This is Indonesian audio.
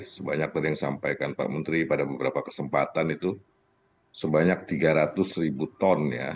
sebanyak tadi yang disampaikan pak menteri pada beberapa kesempatan itu sebanyak tiga ratus ribu ton ya